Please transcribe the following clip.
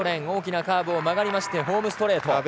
大きなカーブを曲がりホームストレート。